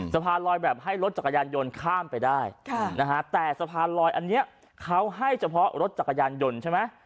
สะพานลอยแบบให้รถจักรยานยนต์ข้ามไปได้แต่สะพานลอยอันนี้เขาให้เฉพาะรถจักรยานยนต์ใช่ไหม